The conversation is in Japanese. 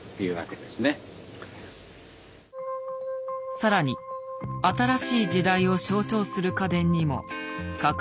更に新しい時代を象徴する家電にも果敢に挑戦した。